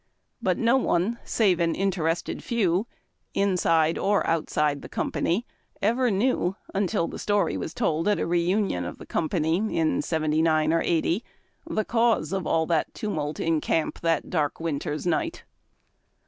But no one save an interested few, inside or outside of the company, ever knew, until the story was told at a reunion of the com pany in '79 or '80, the cause of all the tumult in camp that dark winter's night.